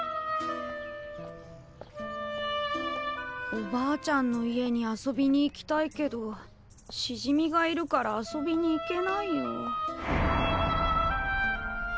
おばあちゃんの家に遊びに行きたいけどしじみがいるから遊びに行けないよ。